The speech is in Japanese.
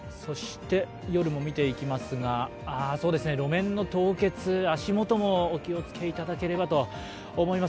夜も見ていきますが路面の凍結、足元もお気をつけいただければと思います。